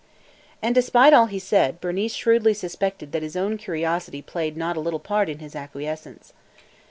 And, despite all he said, Bernice shrewdly suspected that his own curiosity played not a little part in his acquiescence.